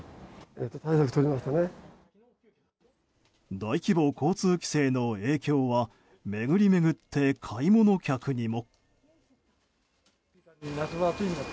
大規模交通規制の影響は巡り巡って買い物客にも。